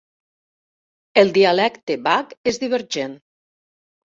El dialecte Vach és divergent.